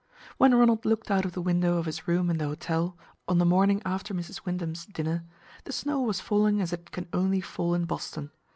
When Ronald looked out of the window of his room in the hotel, on the morning after Mrs. Wyndham's dinner, the snow was falling as it can only fall in Boston.